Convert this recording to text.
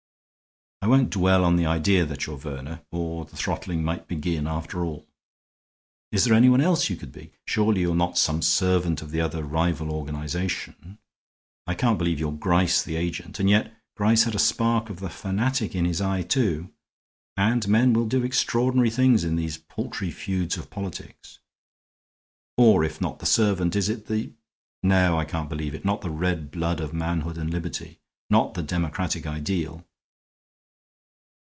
I won't dwell on the idea that you're Verner, or the throttling might begin, after all. Is there anyone else you could be? Surely you're not some servant of the other rival organization. I can't believe you're Gryce, the agent; and yet Gryce had a spark of the fanatic in his eye, too; and men will do extraordinary things in these paltry feuds of politics. Or if not the servant, is it the ... No, I can't believe it ... not the red blood of manhood and liberty ... not the democratic ideal